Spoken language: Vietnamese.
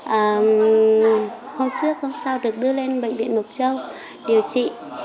và hôm trước hôm sau được đưa lên bệnh viện mộc châu điều trị